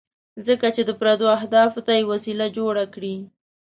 ځکه چې د پردو اهدافو ته یې وسیله جوړه کړې.